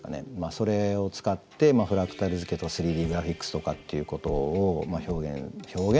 それを使ってフラクタル図形とか３Ｄグラフィックスとかっていうことをまあ表現。